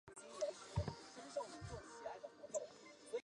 南长翼蝠为蝙蝠科长翼蝠属的动物。